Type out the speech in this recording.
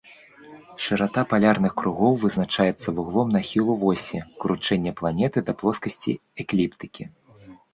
Шырата палярных кругоў вызначаецца вуглом нахілу восі кручэння планеты да плоскасці экліптыкі.